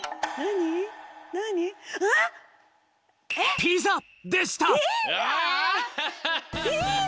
ピザでしたピザ！？